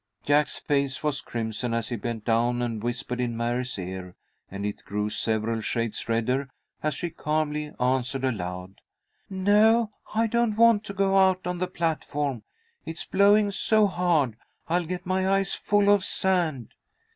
Jack's face was crimson as he bent down and whispered in Mary's ear, and it grew several shades redder as she calmly answered aloud, "No, I don't want to go out on the platform. It's blowing so hard, I'll get my eyes full of sand."